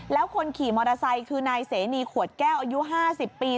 แล้วคนขี่มอเตอร์ไซค์คือนายเสนีขวดแก้วอายุ๕๐ปี